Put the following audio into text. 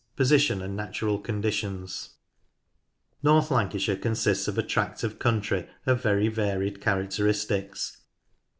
Position and Natural Conditions. North Lancashire consists of a tract of country of very varied characteristics.